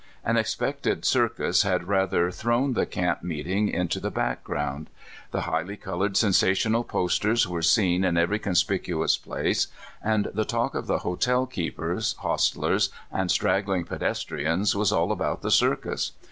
An expected circus had rather thrown the camp meeting into the background. The highly colored rcnsational posters were seen in every conspicuous place, and the talk of the hotel keepers, hostlers, and straggling pedestrians, was all about the cir cus.